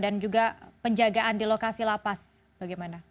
dan juga penjagaan di lokasi lapas bagaimana